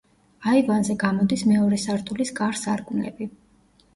აივანზე გამოდის მეორე სართულის კარ-სარკმლები.